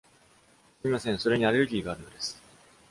すみません、それにアレルギーがあるのです。